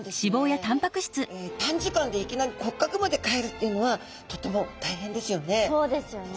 短時間でいきなり骨格まで変えるっていうのはとても大変ですよね。